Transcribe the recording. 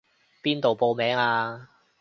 邊度報名啊？